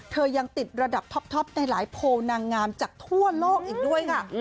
ยังติดระดับท็อปในหลายโพลนางงามจากทั่วโลกอีกด้วยค่ะ